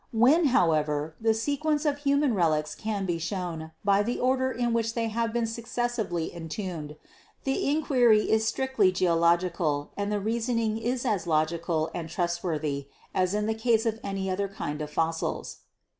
When, how ever, the sequence of human relics can be shown by the order in which they have been successively entombed, the inquiry is strictly geological and the reasoning is as logical and trustworthy as in the case of any other kind of fossils."